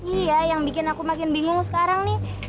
iya yang bikin aku makin bingung sekarang nih